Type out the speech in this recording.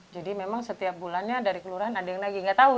jadi memang setiap bulannya dari kelurahan ada yang lagi nggak tahu